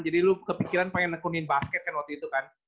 jadi lo kepikiran pengen kunin basket kan waktu itu kan